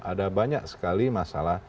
ada banyak sekali masalah